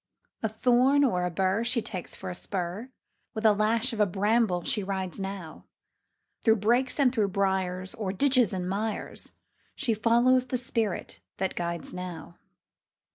A thorn or a bur She takes for a spur; With a lash of a bramble she rides now, Through brakes and through briars, O'er ditches and mires, She follows the spirit that guides now.